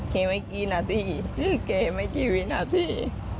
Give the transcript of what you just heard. แค่ไม่กี่นาทีแค่ไม่กี่วินาที